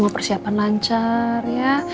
semua persiapkan lancar ya